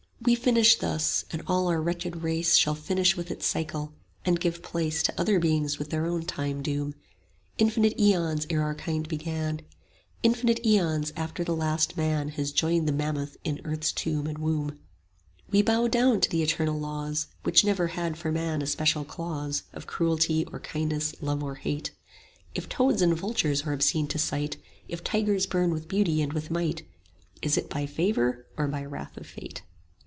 We finish thus; and all our wretched race 55 Shall finish with its cycle, and give place To other beings with their own time doom: Infinite aeons ere our kind began; Infinite aeons after the last man Has joined the mammoth in earth's tomb and womb. 60 We bow down to the universal laws, Which never had for man a special clause Of cruelty or kindness, love or hate: If toads and vultures are obscene to sight, If tigers burn with beauty and with might, 65 Is it by favour or by wrath of Fate?